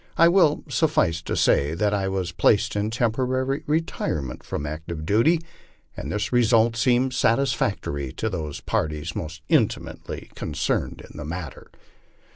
It will suffice to say that I was placed in temporary retirement from active duty, and this result seemed satisfactory to those parties most intimately concerned in the matter.